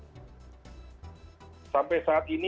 sampai saat ini fakta yang terkait dengan penipuan riana naryani ini